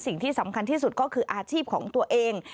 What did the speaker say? สิ่งที่สำคัญที่สุดก็คืออาชีพของตัวเอง